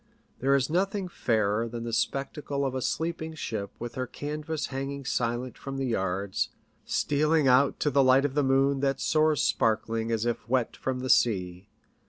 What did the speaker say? There is nothing fairer than the spectacle of a sleeping ship with her canvas hanging silent from the yards, stealing out to the light of the moon that soars sparkling as if wet from the sea.